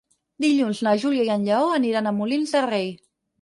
Dilluns na Júlia i en Lleó aniran a Molins de Rei.